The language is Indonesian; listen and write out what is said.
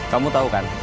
kamu tahu kan